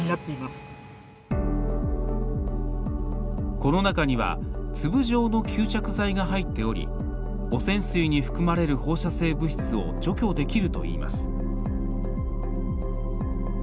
この中には粒状の吸着材が入っており汚染水に含まれる放射性物質を除去できるといいます。